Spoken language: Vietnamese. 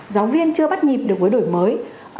giáo viên chưa bắt nhịp được với đổi mới